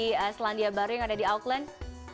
yang ada di selandia baru yang ada di auckland